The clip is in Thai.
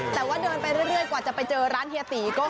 แต่ว่าเดินไปเรื่อยกว่าจะไปเจอร้านเฮียตีก็